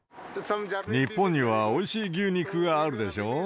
日本にはおいしい牛肉があるでしょ。